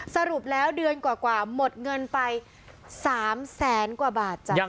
สรุปแล้วเดือนกว่าหมดเงินไป๓แสนกว่าบาทจ้ะ